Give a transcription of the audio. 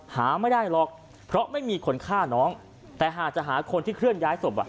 หาไม่ได้หรอกเพราะไม่มีคนฆ่าน้องแต่หากจะหาคนที่เคลื่อนย้ายศพอ่ะ